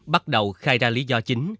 bắt đầu khai ra lý do chính